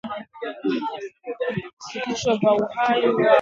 kama wanakabiliwa na vitisho kwa uhai wao